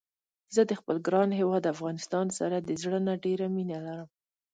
زه د خپل ګران هيواد افغانستان سره د زړه نه ډيره مينه لرم